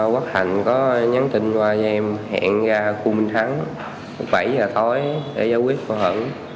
quốc hành có nhắn tin qua cho em hẹn ra khu minh thắng bảy h tối để giải quyết mâu thuẫn